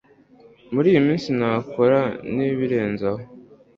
muri yiminsi nakora nibirenzeho